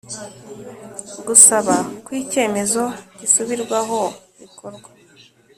Gusaba ko icyemezo gisubirwaho bikorwa